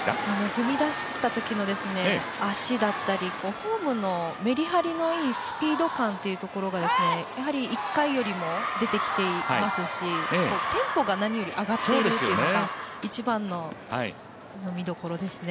降りだしたときの足だったりフォームの、メリハリのいいスピード感というところが１回よりも、出てきていますしテンポが何より上がっているというのが一番の見どころですね。